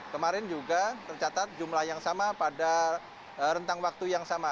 kemarin juga tercatat jumlah yang sama pada rentang waktu yang sama